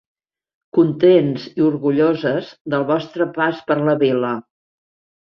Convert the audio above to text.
Contents i orgulloses del vostre pas per la vila.